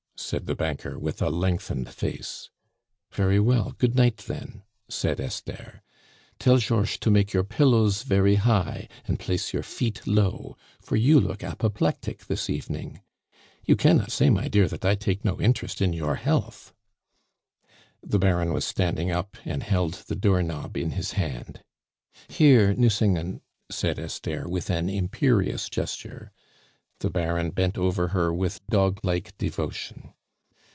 said the banker, with a lengthened face. "Very well, good night then," said Esther. "Tell Georches to make your pillows very high and place your fee low, for you look apoplectic this evening. You cannot say, my dear, that I take no interest in your health." The Baron was standing up, and held the door knob in his hand. "Here, Nucingen," said Esther, with an imperious gesture. The Baron bent over her with dog like devotion.